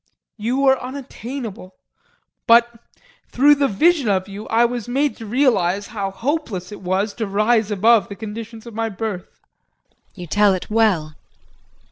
You were unattainable, but through the vision of you I was made to realize how hopeless it was to rise above the conditions of my birth. JULIE. You tell it well!